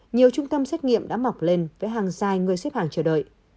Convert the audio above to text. nhiều trung tâm xét nghiệm đã mọc lên với hàng dài người xếp hàng chờ đợi